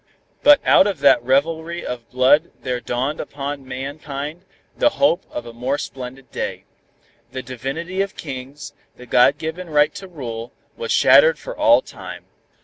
"But out of that revelry of blood there dawned upon mankind the hope of a more splendid day. The divinity of kings, the God given right to rule, was shattered for all time.